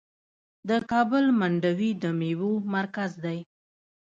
د کابل منډوي د میوو مرکز دی.